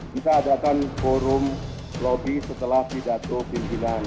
kita adakan forum lobby setelah pidato pimpinan